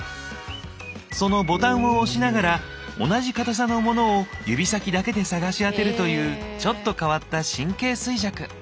そのボタンを押しながら同じ硬さのモノを指先だけで探し当てるというちょっと変わった神経衰弱。